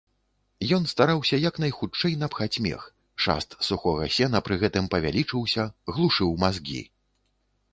Ён стараўся як найхутчэй напхаць мех, шаст сухога сена пры гэтым павялічыўся, глушыў мазгі.